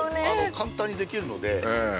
簡単にできるので。